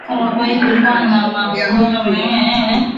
korongo hili lilikuwa na mafuvu na mifupa mingi ya binadamu